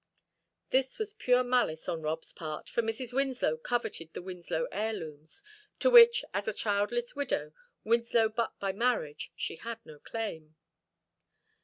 This was pure malice on Rob's part, for Mrs. Winslow coveted the Winslow heirlooms, to which as a childless widow, Winslow but by marriage, she had no claim.